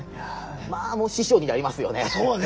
まあもう師匠になりますよね。